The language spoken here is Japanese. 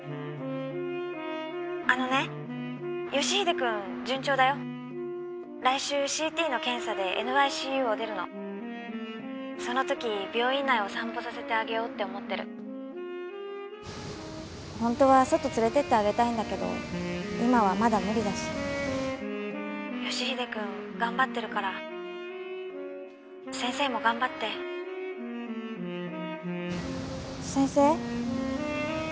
☎あのね佳秀君順調だよ☎来週ＣＴの検査でＮＩＣＵを出るの☎そのとき病院内を散歩させてあげようと思ってる本当は外連れてってあげたいんだけど今はまだムリだし☎佳秀君がんばってるから☎先生もがんばって先生？